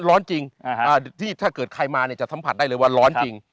ร้อนจริงที่ถ้าเกิดใครมาเนี่ยจะสัมผัสได้เลยว่าร้อนจริง